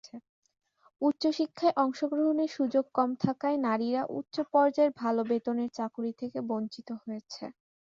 উচ্চশিক্ষায় অংশগ্রহণের সুযোগ কম থাকায় নারীরা উচ্চ পর্যায়ের ভাল বেতনের চাকুরী থেকে বঞ্চিত হয়েছে।